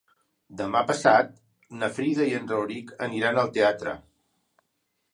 Demà passat na Frida i en Rauric aniran al teatre.